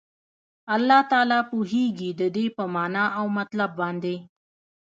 الله تعالی پوهيږي ددي په معنا او مطلب باندي